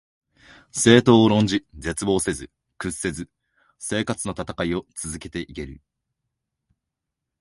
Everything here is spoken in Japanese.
政党を論じ、絶望せず、屈せず生活のたたかいを続けて行ける